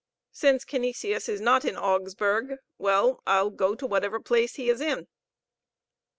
"Since Canisius is not in Augsburg, well, I'll go to whatever place he is in.